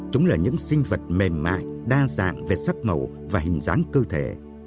các loài sinh vật mềm mại đa dạng về sắc màu và hình dạng cơ thể